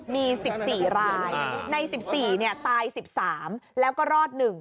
มี๑๔รายใน๑๔ตาย๑๓แล้วก็รอด๑